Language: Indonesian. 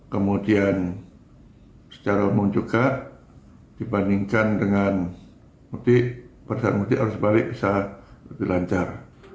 kemudian secara umum juga dibandingkan dengan mudik perjalanan mudik harus balik bisa lebih lancar